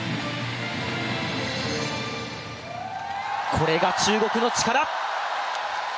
これが中国の力。